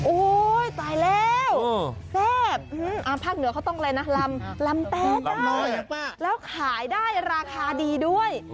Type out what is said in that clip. โอ้โหตายแล้วแซ่บภาคเหนือเขาต้องอะไรนะลำแตกแล้วขายได้ราคาดีด้วย